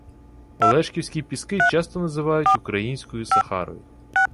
Олешківські піски часто називають українською «Сахарою»